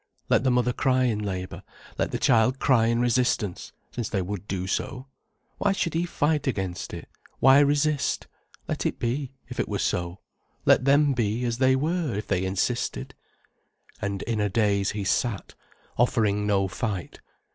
Let the mother cry in labour, let the child cry in resistance, since they would do so. Why should he fight against it, why resist? Let it be, if it were so. Let them be as they were, if they insisted. And in a daze he sat, offering no fight.